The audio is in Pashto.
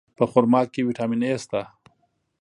په خرما کې ویټامین A شته.